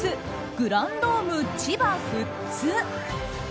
グランドーム千葉富津。